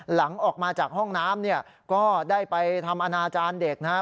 หลังออกมาจากห้องน้ำเนี่ยก็ได้ไปทำอนาจารย์เด็กนะครับ